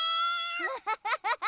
ハハハハハ。